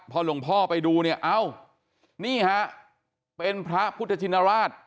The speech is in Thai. พอหลวงพ่อไปดูเนี่ยเอ้านี่ฮะเป็นพระพุทธชินราช